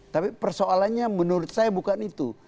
tapi persoalannya menurut saya bukan itu